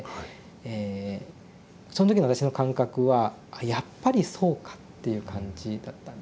その時の私の感覚は「やっぱりそうか」っていう感じだったんですね。